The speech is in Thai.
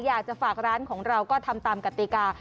อยากจะฝากร้านของเราก็ทำตามกติกา